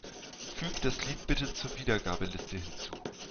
Füg das Lied bitte zur Wiedergabeliste hinzu.